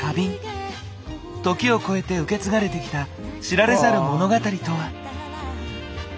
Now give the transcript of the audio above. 時をこえて受け継がれてきた知られざる物語とは。